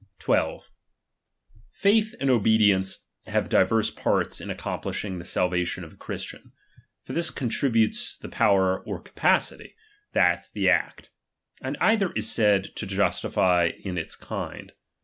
' 12. Faith and obedience have divers parts in ac complishing the sjilvation of a Christian ; for this contributes the power or capacity, that the act ; and either is said to justify in its kind.